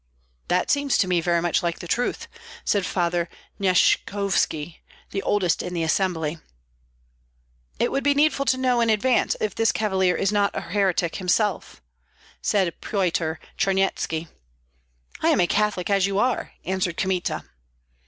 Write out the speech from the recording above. "That seems to me very much like truth," said Father Nyeshkovski, the oldest in the assembly. "It would be needful to know in advance if this cavalier is not a heretic himself?" said Pyotr Charnyetski. "I am a Catholic, as you are!" answered Kmita.